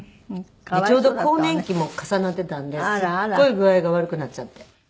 ちょうど更年期も重なっていたんですっごい具合が悪くなっちゃって。